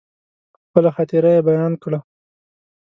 خپله خاطره يې بيان کړه.